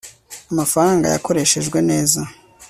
amafaranga yakoreshejwe neza